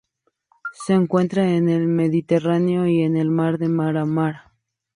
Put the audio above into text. Se encuentra en el Mediterráneo y en el Mar de Mármara.